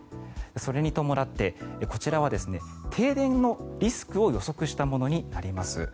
それに伴ってこちらは停電のリスクを予測したものになります。